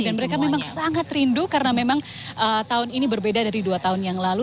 dan mereka memang sangat rindu karena memang tahun ini berbeda dari dua tahun yang lalu